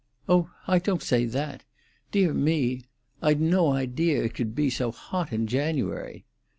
"Oh, I don't say that. Dear me! I'd no idea it could be so hot in January."